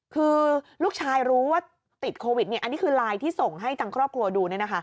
คือลูกชายรู้ว่าติดโควิดอันนี้คือไลน์ที่ส่งให้ทางครอบครัวดู